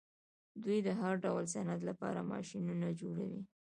دوی د هر ډول صنعت لپاره ماشینونه جوړوي.